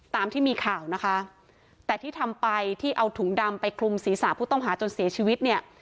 ตามที่มีข่าวนะคะแต่ที่ทำไปที่เอาถุงดำไปคลุมศีรษะผู้ต้องหาจนเสียชีวิตเนี่ย